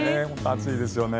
暑いですよね。